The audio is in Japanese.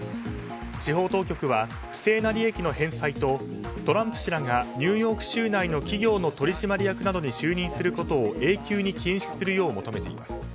司法当局は不正な利益の返済とトランプ氏らがニューヨーク州内の企業の取締役などに就任することを永久に禁止するよう求めています。